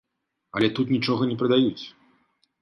Але тут нічога не прадаюць!